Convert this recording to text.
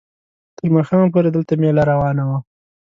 تر ماښامه پورې دلته مېله روانه وه.